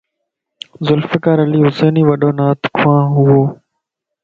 ذوالفقار علي حسيني وڏو نعت خوا ھئو